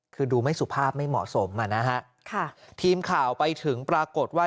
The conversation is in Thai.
คือดูไม่สุภาพไม่เหมาะสมอ่ะนะฮะค่ะทีมข่าวไปถึงปรากฏว่า